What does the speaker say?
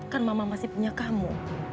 kan mama masih punya kamu